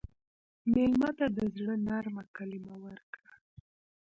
مېلمه ته د زړه نرمه کلمه ورکړه.